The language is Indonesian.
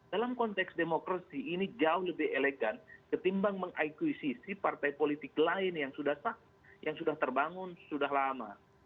dalam konteks demokrasi ini jauh lebih elegan ketimbang mengakuisisi partai politik lain yang sudah sah yang sudah terbangun sudah lama